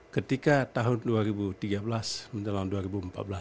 ketika tahun dua ribu tiga belas menjelang dua ribu empat belas